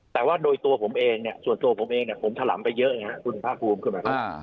แต่ว่าด้วยตัวผมเองส่วนตัวผมเองผมทะลำไปเยอะขนวดพระภูมิก็ไปฟัง